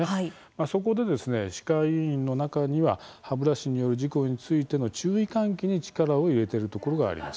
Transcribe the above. そこで歯科医院の中には歯ブラシによる事故についての注意喚起に力を入れているところがあります。